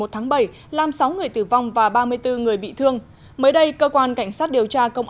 một mươi một tháng bảy lam sáu người tử vong và ba mươi bốn người bị thương mới đây cơ quan cảnh sát điều tra công